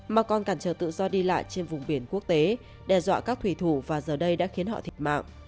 mà còn cản trở tự do đi lại trên vùng biển quốc tế đe dọa các thủy thủ và giờ đây đã khiến họ thiệt mạng